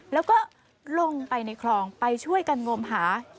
แล้วก็ลงไปในคลองไปช่วยกันงมหา